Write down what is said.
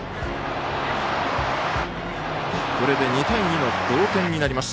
これで２対２の同点になります。